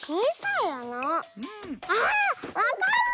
あわかった！